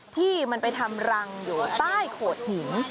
ที่มันไปทำรังอยู่ใต้โขดหิน